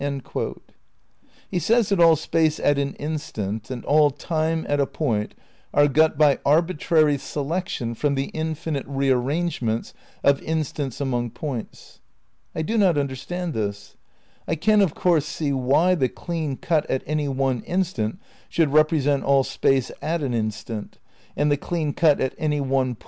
' He says that all Space at an instant and all Time at a point are got by "arbitrary selection from the infinite rearrangements of instants among points." I do not understand this. I can of course see why the clean cut at any one instant should represent all Space at an instant, and the clean cut at any one point ^ Space, Time and Deity, Vol.